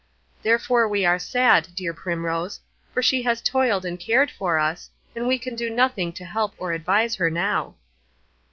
Therefore are we sad, dear Primrose, for she has toiled and cared for us, and we can do nothing to help or advise her now."